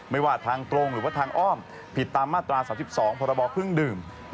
ไม่ว่าทางตรงหรือว่าทางอ้อมผิดตามมาตรา๓๒พรบเครื่องดื่ม